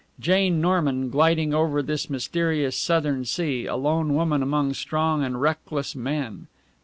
Jane Norman, gliding over this mysterious southern sea, a lone woman among strong and reckless men!